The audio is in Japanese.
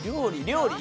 料理？